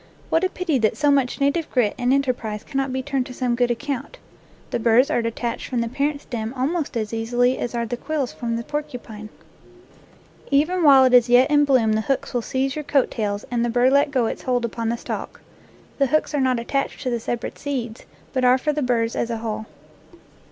What a pity that so much na tive grit and enterprise cannot be turned to some good account! The burrs are detached from the 8 NATURE LORE parent stem almost as easily as are the quills from the porcupine. Even while it is yet in bloom the hooks will seize your coat tails and the burr let go its hold upon the stalk. The hooks are not attached to the separate seeds, but are for the burrs as a whole.